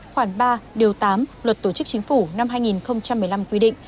khoảng ba điều tám luật tổ chức chính phủ năm hai nghìn một mươi năm quy định